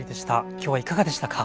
今日はいかがでしたか？